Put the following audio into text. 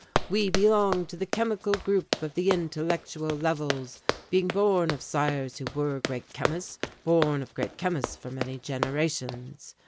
"We belong to the chemical group of the intellectual levels, being born of sires who were great chemists, born of great chemists for many generations.